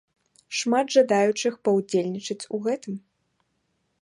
Шмат жадаючых паўдзельнічаць у гэтым.